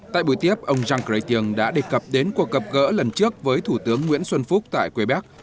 tại buổi tiếp ông jean chrétien đã đề cập đến cuộc gặp gỡ lần trước với thủ tướng nguyễn xuân phúc tại quebec